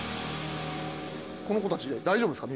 この子たちで大丈夫っすか？